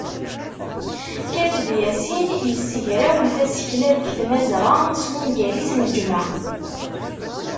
Kateb Yasin yessegrawel tasekla deg Tmazɣa s wungal-is "Neǧma'.